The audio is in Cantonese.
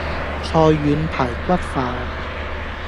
菜遠排骨飯